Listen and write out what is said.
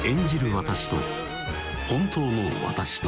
私と本当の私と